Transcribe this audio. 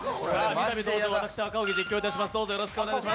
みたび登場、私、赤荻が実況いたします。